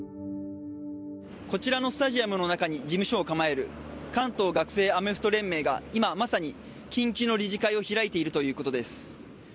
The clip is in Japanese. こちらのスタジアムの中に事務所を構える関東学生アメフト連盟が今、まさに緊急の理事会を開いているということです。